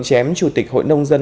chém chủ tịch hội nông dân